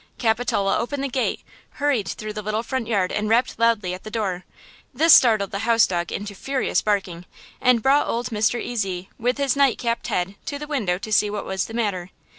Capitola opened the gate, hurried through the little front yard and rapped loudly at the door. This startled the house dog into furious barking and brought old Mr. Ezy, with his night capped head, to the window to see what was the matter.